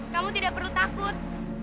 kamu tidak perlu takut